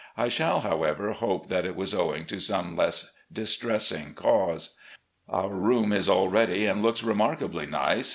I shall, however, hope that it was owing to some less dis tressing cause. Our room is all ready and looks remarkably nice.